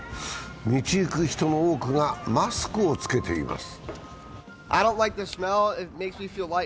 道行く人の多くがマスクを着けています。